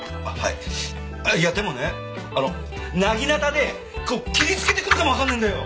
いやでもねなぎなたで切りつけてくるかもわかんねえんだよ！